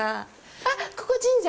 あっ、ここ神社？